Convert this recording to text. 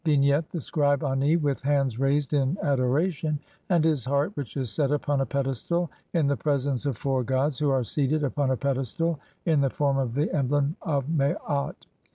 ] Vignette : The scribe Ani, with hands raised in adoration, and his heart, which is set upon a pedestal, in the presence of four gods who are seated upon a pedestal in the form of the emblem of Maat.